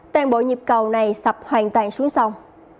toàn bộ nhịp cầu này sập hoàn toàn xuống sông